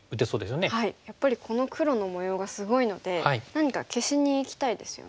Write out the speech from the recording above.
やっぱりこの黒の模様がすごいので何か消しにいきたいですよね。